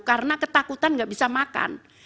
karena ketakutan enggak bisa makan